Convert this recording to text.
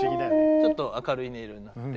ちょっと明るい音色になって。